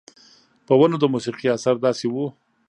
پۀ ونو د موسيقۍ اثر داسې وو